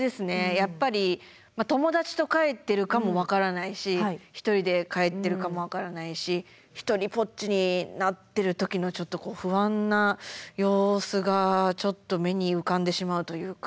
やっぱり友達と帰ってるかも分からないし１人で帰ってるかも分からないし独りぼっちになってる時の不安な様子がちょっと目に浮かんでしまうというか。